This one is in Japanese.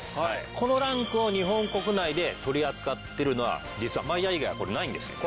このランクを日本国内で取り扱ってるのは実はマイヤー以外はこれないんですよ。